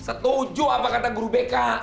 setuju apa kata guru bk